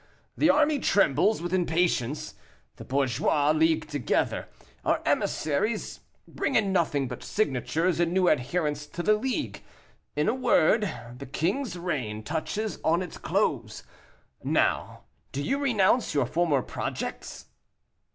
The army trembles with impatience; the bourgeois league together; our emissaries bring in nothing but signatures and new adherents to the League. In a word, the king's reign touches on its close. Now, do you renounce your former projects?"